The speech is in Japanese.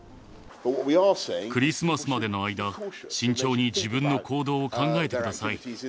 クリスマスまでの間、慎重に自分の行動を考えてください。